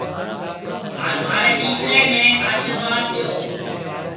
هانَ مهارَي ڏيڪريَ نَي آشرواڌ ڏيو۔